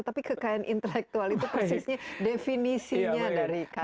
tapi kekayaan intelektual itu persisnya definisinya dari kali itu